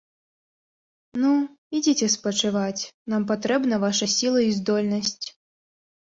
Ну, ідзіце спачываць, нам патрэбна ваша сіла і здольнасць.